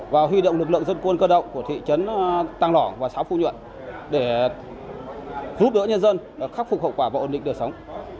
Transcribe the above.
và huy động lực lượng dân quân cơ động của thị trấn tàng lỏ và xã phu nhuận để giúp đỡ nhân dân khắc phục hậu quả và ổn định đời sống